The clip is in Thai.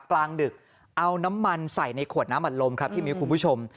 กลางดึกเอาน้ำมันใส่ในขวดน้ำอัดลมครับพี่มิ้วคุณผู้ชม